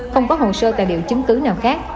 không có hồ sơ tài liệu chứng cứ nào khác